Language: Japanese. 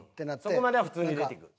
そこまでは普通に出てくる。